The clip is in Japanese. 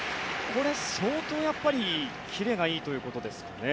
相当キレがいいということですかね。